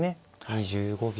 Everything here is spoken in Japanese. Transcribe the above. ２５秒。